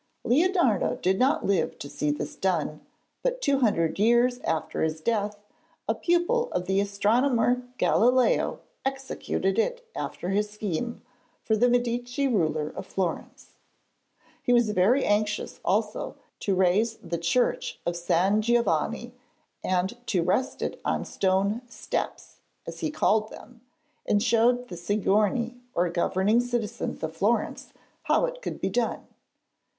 Leonardo did not live to see this done, but two hundred years after his death a pupil of the astronomer Galileo executed it after his scheme, for the Medici ruler of Florence. He was very anxious also to raise the Church of San Giovanni and to rest it on stone 'steps,' as he called them, and showed the Signory or governing citizens of Florence how it could be done.